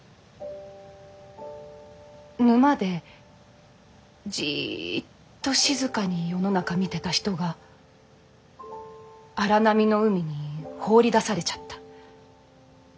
沼でジッと静かに世の中見てた人が荒波の海に放り出されちゃったみたいな。